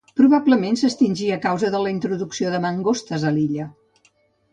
Probablement s'extingí a causa de la introducció de mangostes a l'illa.